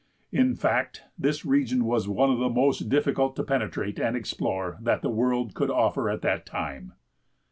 In fact, this region was one of the most difficult to penetrate and explore that the world could offer at that time.